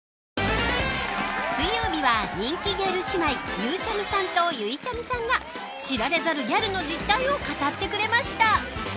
水曜日は人気ギャル姉妹ゆうちゃみさんとゆいちゃみさんが知られざるギャルの実態を語ってくれました。